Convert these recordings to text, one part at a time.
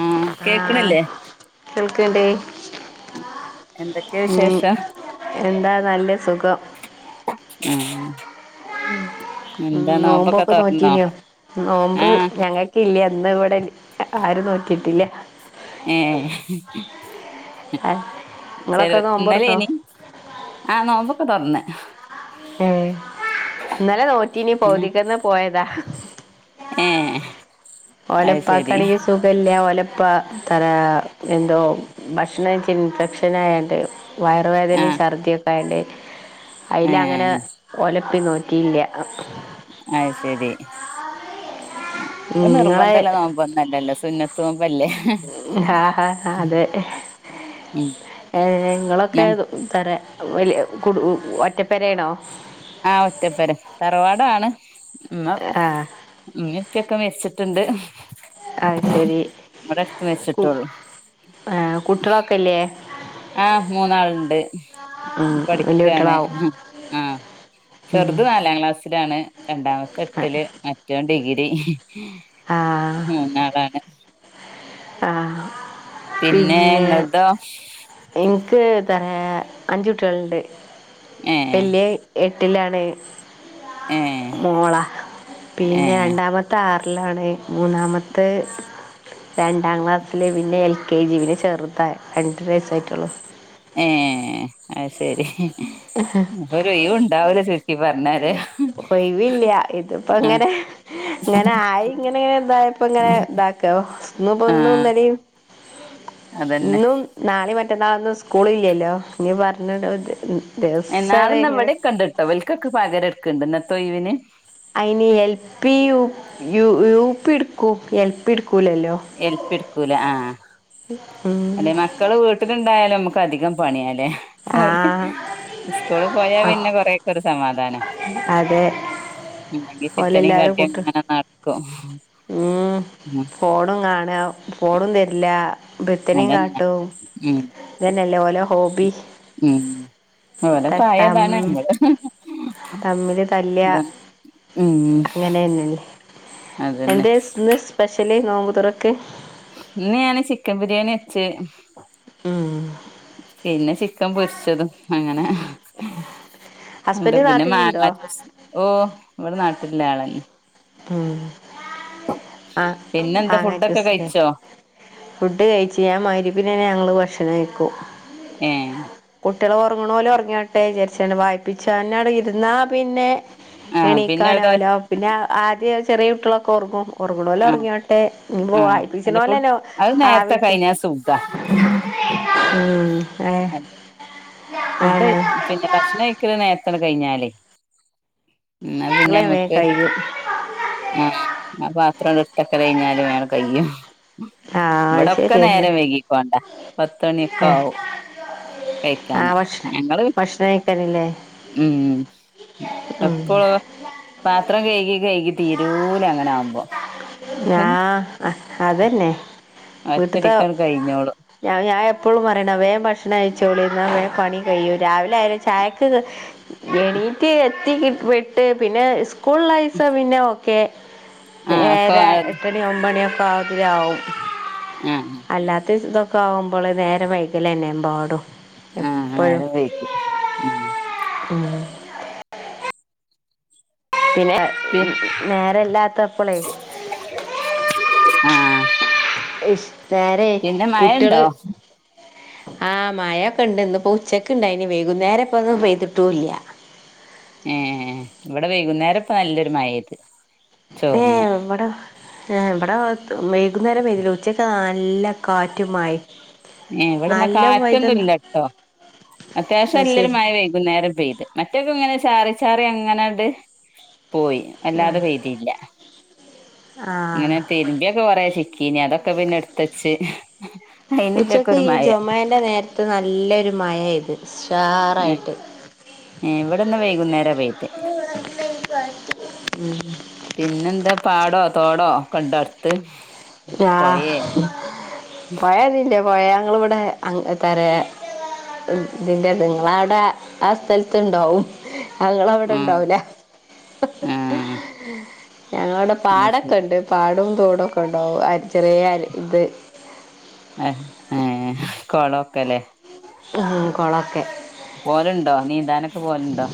ആഹ് കേക്ക്ണില്ലേ? ക്കിണ്ട്. എന്തൊക്കെയ ഉം വിശേഷം എന്താ നല്ല സുഖം. ഉംഹ്. ഉംഹ് നോമ്പോക്കെ നോറ്റീന്യോ? നോമ്പ് ആഹ് ഞങ്ങക്കില്ല ഇന്നിവിടെ ആരും നോറ്റിട്ടില്ല. ഏഹ് അ [inaudible] ചെലത് ഇന്നലയേഞ്ഞ് ആഹ് നോമ്പൊക്കെ തൊറന്ന് ഏഹ്‌ ഇന്നലെനോറ്റീനി പകുതിക്കെന്നെ പോയതാ ഏഹ് അത് ശരി ഓലെപ്പാക്കാണെങ്കി സുഖഇല്ലാ ഓലെപ്പാ തല എന്തോ ഭക്ഷണംകയിച്ചതിന് ഇൻഫെക്ഷനായാട്ട് വയറുവേദനയും ആഹ് ഛർദ്ദിയൊക്കെ വേണ്ടയിന്റെ അയിലങ്ങനെ ഒലപ്പിനോക്കിയില്ല അയ്ശരി നിങ്ങളെ നോമ്പൊന്നല്ലല്ലോ സുന്നത്ത് നോമ്പല്ലേ ആഹാ ഹ അതെ ഉം ഏഹ്‌ ഞങ്ങ നിങ്ങളൊക്കേതു തരാ വലിയ കുടു ഒറ്റപ്പെരയാണോ ആഹ് ഒറ്റപ്പെര തറവാടാണ് ന്നാ ആ ഉമ്മയുപ്പയൊക്കെ മെരിച്ച് ട്ട്ണ്ട് അത്ശെരി ഹ്മ്മ്‌ മരിച്ചിട്ടുള്ളൂ -ഏ കുട്ടികളൊക്കില്ലേ ആഹ് മൂന്നാളുണ്ട് വലിയ പഠിക്കാണ് കുട്ടികളാവും ആഹ് ഉം. ചെറുത് നാലാംക്ലാസ്സിലാണ് രണ്ടാമത്തെ എട്ടില് മറ്റവൻ ഡിഗ്രി ആ മൂന്നാളാണ് ആഹ് പിന്നെ എനിക്ക് ഏ അഞ്ച് കുട്ടികളുണ്ട് ഏ വല്യവൻ എട്ടിലാണ് ഏ മോളാ ഏ പിന്നെരണ്ടാമത്തെ ആറിൽ ഏഴിലാണ് മൂന്നാമത്തത് രണ്ടാംക്ലാസ്സില് പിന്നെ എൽ കെ ജി പിന്നെ ചെറ്താ രണ്ട് വയസ്സായിട്ടുള്ളു ഏഹ് അത്ശെരി ഒരൊയിവുണ്ടാവില്ല ചുരുക്കിപ്പറഞ്ഞാല് ഒയിവില്ല ഇതിപ്പങ്ങനെ ഇങ്ങനായി ഇങ്ങനെ ഇതായപ്പങ്ങനെ ഇതാക്കാ ഇന്നിപ്പൊ ആ ഇന്നുംഇന്നലയും അതന്നെ ഇന്നും നാളെയും മറ്റന്നാളൊന്നും സ്കൂളില്ലല്ലോ ഇനി പറഞ്ഞ്ടോര് നാളെന്നാ ഇവിടെക്കിണ്ട്ട്ടോ ഇവൽക്കൊക്കെ പകരെട്ക്ക്ണ്ട് എന്നത്തൊയിവിന് അയിന് എൽപി യൂപി എടുക്കും എൽപി എട് എൽപി എടുക്കൂല ആഹ് ഉം അല്ലെ മക്കള് വീട്ടില്ണ്ടായാലെ നമ്ക്ക് ഇപ്പധികം പണിയാലെ ഓല് ആഹ് സ്കൂള്പോയാ പിന്നെ കൊറക്ക്കൊരു സമാധാനാ അതെ അല്ലെങ്കി [inaudible] ചിറ്റനിം കാട്ടി ഓലെല്ലാരുംകൂട്ട് അങ്ങനെ നടക്കും ഹ്മ് ആ ഫോണും കാണൽ ഫോണും തരില്ല അതന്നെ ബിത്തനേംകാട്ടും ഉം ഇതന്നല്ലേ ഓലെ ഹോബി ഓലപ്രായതാണ് തട്ടം നമ്മള് തമ്മില് തല്ലാ അതാണ് ഉം അങ്ങനെന്നല്ലേ അതന്നെ എന്തെ ഇന്ന് സ്പെഷ്യല് നോമ്പ്തുറക്ക് ഇന്ന് ഞാന് ചിക്കബിരിയാണി വെച്ച് ഉം പിന്നെ ചിക്കം പൊര്ച്ചതും അങ്ങനെ ഉണ്ട് ഹസ്ബൻഡ് പിന്നെ നാട്ടിലുണ്ടോ മാങ്ങജൂസ് ഓ ഇവിടെ നാട്ട് ല്ള്ള ആളെന്നെ ഉം ആ പിന്നെ എന്താ ഫുഡൊക്കെ മാങ്ങാജൂസ് ലെ കഴിച്ചോ ഫുഡ് കഴിച്ച് ഞാ മഹരിപ്നന്നെ ഞങ്ങള് ഭക്ഷണം കഴിക്കും ഏ കുട്യള് ഒർങ്ങ്ണോല് ഒർങ്ങോട്ടെ വിചാരിച്ചാണ്ട് വായിപ്പിച്ചനാണ്ട് ഇര്ന്നാ പിന്നെ ആ പിന്നെ അവിടെ എണീക്കാനാവല്ലോ പിന്നെ ആദ്യ ചെറിയകുട്യളൊക്കെ ഒർങ്ങും ആ ഒർങ്ങ്ണോലൊർങ്ങോട്ടെ ഇ ആ വായിപ്പിച്ച്ണോലെന്നെ ആവിട്ട് ആ [unintelligible] ഉം ഏ ഫുഡൈ അതന്നെ പിന്നെ ഭക്ഷണൈക്ക്ണെ നേര്ത്താണ്ട് കഴിഞ്ഞാലേ എന്നാ പിന്നെ അടുക്കള വേഗം അമ്മക്ക് കഴിയും ആ ആ പാ ത്രാണ്ട് ഇട്ത്തക്കലയിഞ്ഞാല് വേഗം കയ്യും ആ അത് ഇവടൊക്കെ ശരിയന്നെ നേരം വൈകിക്കോണ്ട പത്തണിക്കാവും ആ കൈക്കാന് ഭക്ഷ ഞങ്ങള് ഭക്ഷണം കഴിക്കാനില്ലേ ഉം ഉം എപ്പളൊ പാത്രം കൈകി കൈകി തീരൂല അങ്ങനാവ്മ്പൊ ഞാ അതെന്നെ വീട്ട്ത്ത ഒറ്റടിക്കട് കഴിഞ്ഞോളും ഞാൻ ഞാ എപ്പളും പറിണാ വേം ഭക്ഷണഴിച്ചോളി എന്നാ വേം പണി കഴിയും രാവിലായാലും ചായക്ക് എണീറ്റ് എത്തി കി വിട്ട് പിന്നെ സ്കൂളൈസം പിന്നെ ഓക്കെ ആഹ് ഒക്കെ ഏഴര, എട്ടണി, ഒമ്പണൊക്കെ ആവ [unintelligible] വും ആഹ് അല്ലാത്തിസം ക്കാവുമ്പളെ നേരം വൈകലെന്നെ എമ്പാടും ആഹ് എപ്പഴും നേരം വൈകും ഉം ഉം [unintelligible] പിന്നെ പി നേരല്ലാത്തപ്പളേ [unintelligible] ആഹ് ഇശ് നേരെ പിന്നെ മഴ കുട്യള് ഉണ്ടോ ആഹ് മായൊക്കെണ്ട് ഇന്നിപ്പൊ ഉച്ചക്ക്ണ്ടായ്നി വൈകുന്നേരം ഇപ്പൊന്നും പെയ്തിട്ടൂല്യാ ഏഹ്‌ ഇവടെ വൈകുന്നേരപ്പം നല്ലൊരു മയയ്ത് ഏഹ്‌ ഇവടാ ഏഹ്‌ ഇവടാ വൈ കുന്നേരം പെയ്തില്ല ഉച്ചക്ക് നല്ല കാറ്റും മയിം ഇവിടെന്നാ കാറ്റൊന്നുല്ല ട്ടോ അത്യാവശ്യം അത് നല്ലൊരു ശരി മഴ വെയ്കുന്നേരം പെയ്ത് മറ്റൊക്കൊങ്ങനെ ചാറി ചാറി അങ്ങനാണ്ട് പോയി അല്ലാതെ പെയ്തീല്ല, ആഹ് ഇങ്ങനെ തിര്മ്പിയൊക്കെ കൊറെ ചിക്കീനി അതൊക്ക് ക്കെ പിന്നെ എട്ത്ത് വെച്ച് ഉച്ചക്ക് ഈ ജെമായ്ന്റെ നേരത്ത് നല്ലൊരു മഴ പെയ്ത് ഉം ഉഷാറായിട്ട്. ഇവിടെന്ന് വെയ്കുന്നേരാ പെയ്തെ പിന്നെന്താ പാടോ തോടോ ഒക്കെണ്ടോ അടുത്ത്? ആഹ് പൊയേ പൊയതി മറ്റേ പൊയ ഇങ്ങള ഇവടെ [unintelligible] [unintelligible] ഇതിന്റെത് ഇങ്ങളവ്ടെ ആ സ്ഥലത്ത്ണ്ടാവും ആഹ് ഉം ഇങ്ങളവ്ടെണ്ടാവൂലേ ആഹ് ഞങ്ങളവടെ അത് ശരി പാടൊക്കെണ്ട് പാടോം തോടൊക്കെണ്ട് ആഹ് ചെറിയ അര് ഇത് എ ഏഹ് കൊളൊക്കെലേ ഉം കൊളൊക്കെ പോവലുണ്ടോ നീന്താനൊക്കെ പോവലുണ്ടോ?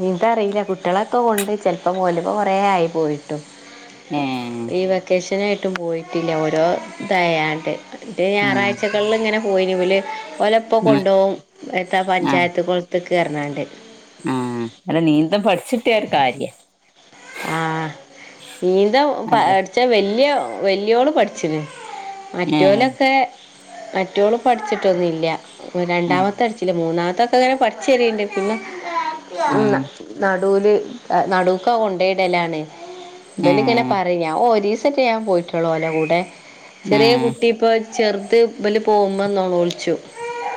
നീന്താറിയില്ല കുട്ടികളൊക്കെ കൊണ്ട് ചെലപ്പം പോവല് ഇപ്പ കൊറെ ആയി പോയിട്ടും ഏഹ് [unintelligible] ആയിട്ടും പോയിട്ടില്ല ഓരോ ഇതായാണ്ട് മറ്റ് ആഹ് ഞായറാഴ്കളിൽ ഇങ്ങനെ പോയിന് ഓല് ഓലെ ഉപ്പ ആഹ് കൊണ്ടുപോവും ഏത്താ പഞ്ചായത്ത് കൊളത്ത്ക്ക് പറഞ്ഞാണ്ട് ഉം അല്ല നീന്തം പഠിച്ചിട്ടിയാ ഒരു കാര്യാ ആഹ് നീന്തം പ അല്ലേ പഠിച്ചാ വെല്ല്യ വെല്യോള് പഠിച്ചിണ് ഏഹ് മറ്റോലൊക്കെ മറ്റോള് പഠിച്ചിട്ടൊന്നുല്ല. ഏഹ് രണ്ടാമത്തെ പടിച്ചില്ല മൂന്നാമത്തൊക്കെ ഇങ്ങനെ പഠിച്ച് വെര്ന്ന്ണ്ട് പിന്നെ ഉം നാ ന ഓല് നടുക്കാ കൊണ്ടയ്ടലാണ് ഇബലിങ്ങനെ ഏഹ് പറയും ഞാ ഒരീസം [unintelligible] ചെയ്യാൻ പോയിറ്റൊള്ളൂ ഓലെ കൂടെ ചെറിയ ഏഹ് കുട്ടി ഇപ്പോ ചെറുത് ഓല് പോവുമ്പോ നെലോളിച്ചും.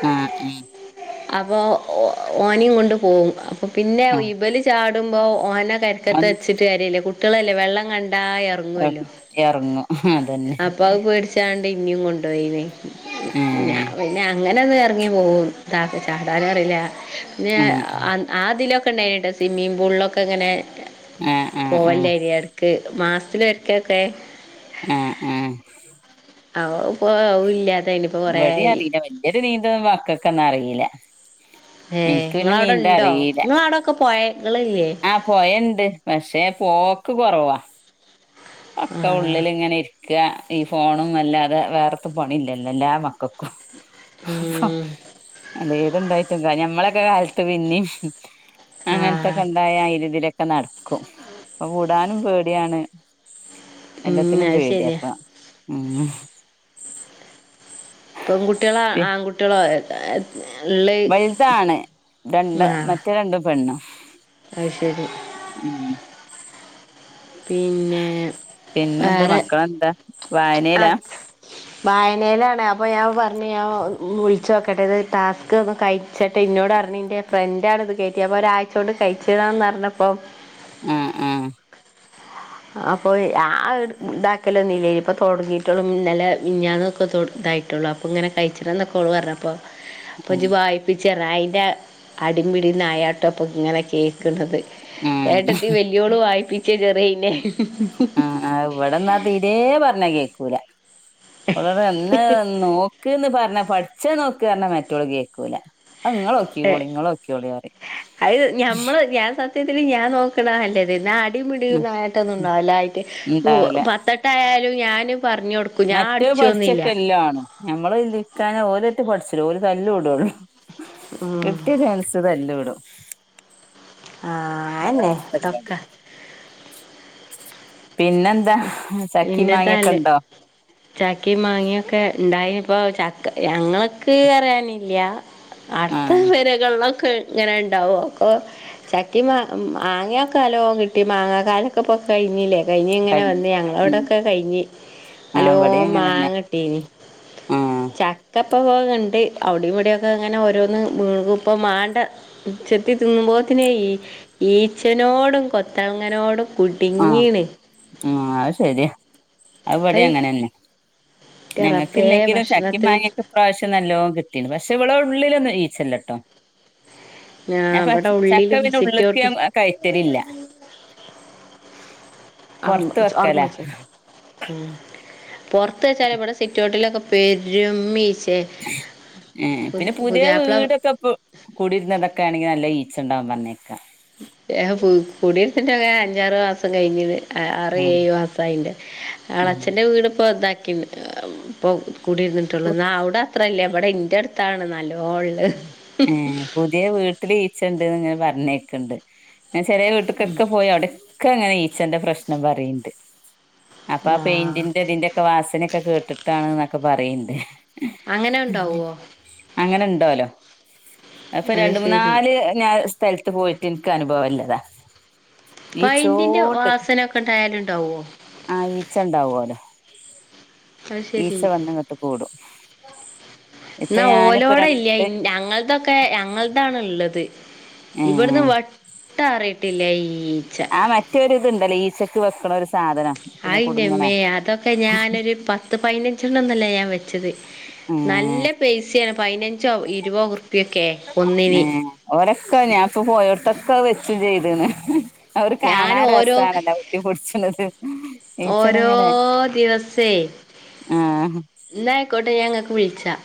ആഹ് ഉം അപ്പോ ഓനെയും കൊണ്ട് പോകും അപ്പോൾ പിന്നെ ഉം ഇബല് ചാടുമ്പോൾ ഓനെ അതൊന്ന് തച്ചിട്ട് കാര്യല്ല കുട്ടികളല്ലേ വെള്ളം കണ്ടാ ഇറങ്ങുവല്ലോ എറങ്ങും അതന്നെ അപ്പാ അത് പേടിച്ചാണ്ട് എന്നെയും കൊണ്ടു പോയതേ ഏഹ് പിന്നെ അങ്ങനെ ഒന്നും എ റങ്ങി പോകും അല്ലാതെ ചാടാനറിയില്ല പിന്നേ ആഹ് ആ ഇതിലൊ ക്കെ ഉണ്ടായിരുന്നു കേട്ടോ സ്വിമ്മിംഗ് പൂളിലൊക്കെ ഇങ്ങനെ ആഹ് ആഹ് ആഹ് പോവല്ലായിരി ഇടക്ക് മാസത്തിൽ ഇടക്കൊക്കെ ഉം ഉം അവൻ പോവില്ല ഇവിടെയും അറിയില്ല വല്ല്യൊരു നീന്തലൊന്നും മക്കൾക്കൊന്നും അറിയില്ല ഏ നിങ്ങടവിടെ ഇണ്ടോ നിങ്ങളെ അവിടൊക്കെ പൊയ ആഹ് പൊയ ഉണ്ട് ണ്ട് പക്ഷെ പോക്ക് കൊറവാ ആ അക്കെ ഉള്ളിൽ ഇങ്ങനെ ഇരി ക്കുക ഈ ഫോണും അല്ലാതെ വേറെത്ത പണി ഇല്ലല്ലോ എല്ലാ മക്കൾക്കും ഉം. അല്ല ഏതുണ്ടായിട്ട് എന്താ ഞമ്മളൊക്കെ കാലത്ത് പിന്നെയും അങ്ങനത്തൊക്കെ ആ ഉണ്ടായ അതിലെ ഇതിലെയൊക്കെ നടക്കും ഇപ്പൊ വിടാനും പേടിയാണ് ഉം എല്ലാത്തിനും അത് പേടിയ ശരിയാ അപ്പ ഉ പെൺകുട്ടികളോ ആൺകുട്ടികളോ ഉള്ള വലുതാണ് രണ്ട് മറ്റേ രണ്ടും പെണ്ണും അ ശെ ശരി ഉം പിന്നെ പിന്നെന്താ വേറെ മക്കളെന്താ ആ വായനയിലാ വായനയിലാണ് അപ്പൊ ഞാൻ പറ പറ ഞ വിളിച്ചച്ച് നോക്കട്ടെ ഇത് ടാസ്ക് ഒന്ന് കഴിച്ചട്ട് ഇന്നോട് പററിഞ്ഞഞ്ിന്റെ ഫ്രണ്ട് ആാണ് ഇത് കയറ്റിയ ഒരാ്ച്ചോണ്ട് കഴിച്ചതാന്ന് പറഞ്ഞപ്പൊ ഉ ഉ അപ്പൊ ആ ഇതാക്കല ഒന്നുംില്ലേനി ഇപ്പൊ തുൊടങ്ങിട്ടുള്ളും ഇന്നലെ വിഞ്ഞാനൊക്കെ ഇായിട്ടുള്ള അൾ ഇങ്ങനെ കഴിച്ചി്ന്നൊക്കെോ പറണം അപ്പോൾ അപ്പൊ ഉം വായിപ്പ ചെറാ അതിന്റെ അടി പിിടി നായാട്ടം അപ്പൊ ഇങ്ങനെ കേക്ക ക്കത് ഉം ഏട്ടത്തിൽ വലിയോള് വായിപ്പിച്ച ചെറിയയിനെ ആ് ഇവിടെന്നാ തീരെേ പറഞ്ഞ കേക്കൂല വളരെ എന്ന നോക്ക്ന്ന് പറഞ്ഞ പഠിച്ച നോക്ക കണം മറ്റുള്ളള കേക്കൂല ആ നിങ്ങളൊക്കിോളി നിങ്ങളൊക്കോളിറി മത്തിൽ ഞാൻ നോക്കണ നല്ലത് ട ഉം മടിയായിട്ടൊന്നും ഉണ്ടാവല്ലട്ട് ഇണ്ടാവൂല പത്തെട്ടായാലും ഞാനും മറ്റേ പഠിച്ചിട്ട എല്ലാ ആണ് ഞമ്മള് ഇരിക്കാന ഓരട്ട് പഠിച്ച ഓര് തല്ലല് ഇടള്ളൂ ഉം. കട്ടിയതനിച്ചതല്ല ഇട ആ അന്നെതൊക്കെ പിന്നെന്താ ചക്കിം മാങ്ങിയൊക്കെ ഇന്നത്തല്ലേ ഇണ്ടോ ചാക്കി മാങ്ങിയൊക്കെ ഉണ്ടായി ഇപ്പൊ ചക്ക ഞങ്ങൾക്ക് അയാനില്ല അടുത്ത ആഹ് വരകുള്ള ഇങ്ങനെ ഉണ്ടാവോക്കൊ ചക്കി മാ മാങ്ങൊക്കെലോ കിട്ടി മാങ്ങ കാലൊക്കെ കായി മിലെക്കായി അങ്ങനെ കഴിഞ്ഞ് വന്ന് ഉം ഞങ്ങളവിടൊക്കെ കഴിഞ്ഞഞ് ആഹ് അലോ ഇവടിം അങ്ങനെന്നെ മാങ്ങട്ടീനി ആഹ് ചക്ക ഇപ്പോ പോകുന്നുണ്ട് അവിടെയും ഇവിടെൊക്കെ അങ്ങനെ ഓരോന്ന്ീ ഇപ്പൾ മണ്ട ഉച്ചത്തി തിന്നുമ്പോൾ അെ ഈ ഈച്ചനോടും കൊത്തങ്ങനോടും കുടുങ്ങീണ് ഉ അത് ശരിയാ അവിടെ ഹൈ അങ്ങനെന്നെ എന്റെ റബ്ബേ ഞങ്ങൾക്കില്ലെങ്കിലും ചക്കി ഭക്ഷണത്തിൽ മാങ്ങൊക്കെ പ്രാവശ്യംമല്ലോ കീ പക്ഷെ ഇവടെ ഉള്ളിലൊന്നും ഈച്ചല്ലട്ടോ ഞാൻ ഞാൻപ്പ ഇവിടെ ചക്ക ഉള്ളിലും പിന്ന ഉള്ളക്ക് സിറ്റോട്ടിൽ കഴറ്റരില്ല [inaudible] ക്ക മച്ച പുൊറത്ത് വെച്ചാല് ഇവിടെ സിറ്റോട്ടിലൊക്കെ പെര മീശേ ഉം പിന്നെ പുതിയ വീടൊക്കെ കൂടിരുന്നതൊക്കെ ആണെങ്കിൽ നല്ല ഈച്ച ഉണ്ടാവാൻ പറഞ്ഞ കുടിയരത്തിന്റെൊക്കെ അഞ്ചാറ് മാസം കഴിഞ്ഞത് ഉം അറിയേു അസായിന്റെ ആള ഉം അച്ഛന്റെ വീട്പ്പോൊ ഇതാക്കി ഇൊ കൂടിയിരുന്നിട്ടുള്ളൂ എന്ന അവിടെ അത്ര അല്ലേ അവിടെ എറ അടുത്താണെന്നല്ലോ പുതിയ വീട്ടട്ടില് ണ്ട്ങ്ങെ പറഞ്ഞൊക്കെണ്ട് ചെറിയ വീട്ടക്കൊക്കെ പോയി അവിടെൊക്കെ അങ്ങനെ ന്റെ പ്രശ്നം പറയണ്ട് അപ്പൊ ആ ആഹ് പെയിന്റിന്റെ അതിന്റെൊക്കെ വാസനയൊക്കെ കേട്ടിട്ടാണ് ഒക്കെ പറയണ്ട്േ അങ്ങനെ ഉണ്ടാവുവോ അങ്ങനെ ഉണ്ടോല്ലോ അപ്പൊ അത് രണ്ട മൂന്ന് ശരി നാല് സ്ഥലത്ത് പോയിട്ട് എനിക്ക് അനുഭവല്ലതാ പൈന്റിന്റെ ഈച്ചോട്ട വാസനൊക്കെ ഉണ്ടായാലുണ്ടാവോ ആഹ ഈച്ച ഉണ്ടാവല്ലോ അത് ശരി ഈച്ച വണ്ട കട്ട് കൂടും ഇപ്പൊ എന്നാ ഞാനിപ്പോ ഓലോടെ ഇല്ല രണ്ട് ഞങ്ങൾതൊക്കെ ഞങ്ങൾതാണ് ഉള്ളത് ഏ ഇവിടുന്ന് വട്ടാറിയിട്ടില്ല ഈച്ച ഉണ്ടല്ലേ ഈച്ചയ്ക്ക് വെക്കണ സാധനം പിന്നെ കുടുങ്ങണേ ആയിന്റെമ്മേ അതൊക്കെ ഞാനൊരു പത്ത് പതിനഞ്ചെണ്ണ ഒന്നല്ല ഞാൻ വെച്ചത് ഏ നല്ല പേസിയാണ് പതിനഞ്ചോ ഇരുപോ കു ഓരൊക്കെ ഞാാനപ്പ പോയോടത്തൊക്കെ വെച്ചു ചെയ്തന്ന് അവര് ഞാൻ കാണാ ഓരോ ഒരുസാണല്ലോ ഉട്ടി പൊടിച്ചത് ഈച്ചന എങ്ങനെ എന്ന ആയിക്കോട്ടെ ഞാങ്ങക്ക് വിളിച്ചാ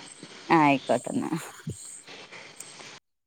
ആഹ ആയിക്കോട്ടന്നാ